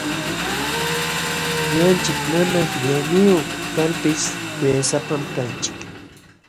Ñuqanchik mana qillayniyuq kalpis kuyaysapam kanchik.